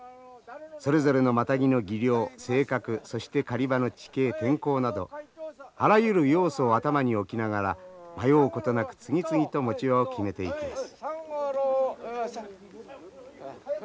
それぞれのマタギの技量性格そして狩り場の地形天候などあらゆる要素を頭に置きながら迷うことなく次々と持ち場を決めていきます。